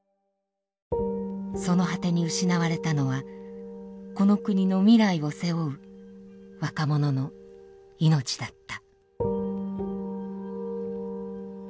その果てに失われたのはこの国の未来を背負う若者の命だった。